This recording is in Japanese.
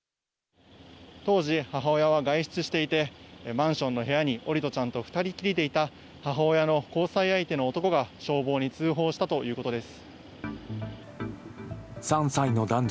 当時、母親は外出していてマンションの部屋に桜利斗ちゃんと２人きりでいた母親の交際相手の男が消防に通報したということです。